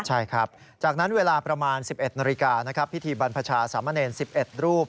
ใช่ครับจากนั้นเวลาประมาณ๑๑นาฬิกานะครับพิธีบรรพชาสามเณร๑๑รูป